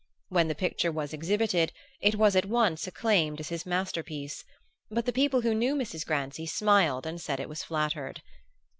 When the picture was exhibited it was at once acclaimed as his masterpiece; but the people who knew Mrs. Grancy smiled and said it was flattered.